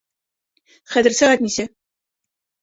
Хәҙер сәғәт нисә?